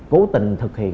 cố tình thực hiện